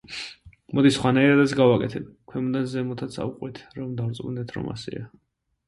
მოდი სხვანაირადაც გავაკეთებ: ქვემოდან ზემოთაც ავყვეთ, რომ დავრწმუნდეთ, რომ ასეა.